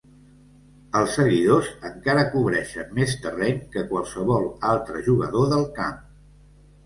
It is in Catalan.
Els seguidors encara cobreixen més terreny que qualsevol altre jugador del camp.